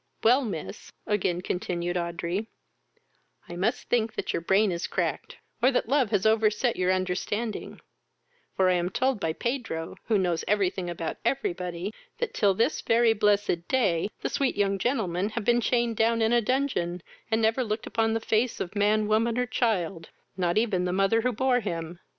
"Well, miss, (again continued Audrey,) I must think that your brain is cracked, or that love has overset your understanding; for I am told by Pedro, who knows every thing about every body, that, till this very blessed day, the sweet young gentleman have been chained down in a dungeon, and never looked upon the face of man, woman, or child, not even the mother who bore him.